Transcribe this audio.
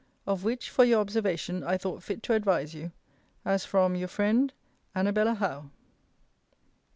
Of which, for your observation, I thought fit to advise you. As from Your friend, Anabella Howe.